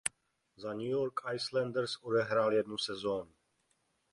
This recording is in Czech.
Za New York Islanders odehrál jednu sezónu.